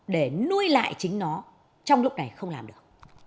để nuôi lại chính nó trong lúc này không làm được